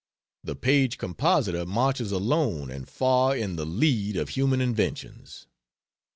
The Paige Compositor marches alone and far in the lead of human inventions.